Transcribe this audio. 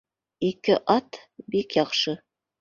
— Ике ат — бик яҡшы.